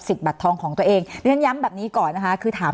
สนับสนุนโดยพี่โพเพี่ยวสะอาดใสไร้คราบ